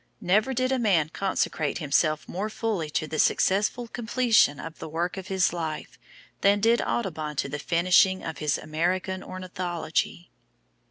Never did a man consecrate himself more fully to the successful completion of the work of his life, than did Audubon to the finishing of his "American Ornithology."